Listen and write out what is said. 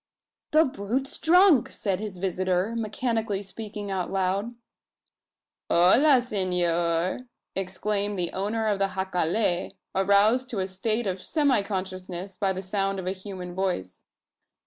"The brute's drunk!" said his visitor, mechanically speaking aloud. "H'la S'nor!" exclaimed the owner of the jacale, aroused to a state of semi consciousness by the sound of a human voice.